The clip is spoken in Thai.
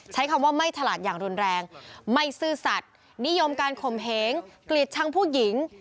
ใช้คำว่าไม่ฉลาดอย่างรุนแรงไม่ซื่อสัตว์นิยมการข่มเหงกลีดช่างผู้หญิง